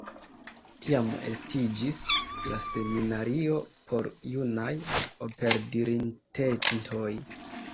Tiam estiĝis la seminario por junaj operdiritentoj.